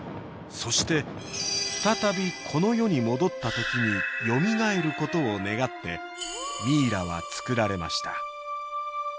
そして再びこの世に戻った時によみがえることを願ってミイラはつくられました